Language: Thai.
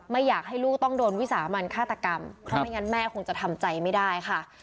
ไม่อยากให้ลูกต้องโดนวิสามันฆาตกรรมเพราะไม่งั้นแม่คงจะทำใจไม่ได้ค่ะ